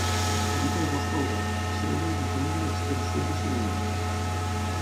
Habita el bosc obert, selva i matoll de l'extrem sud de Surinam.